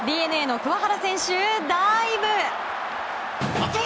ＤｅＮＡの桑原選手、ダイブ！